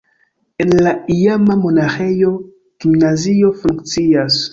En la iama monaĥejo gimnazio funkcias.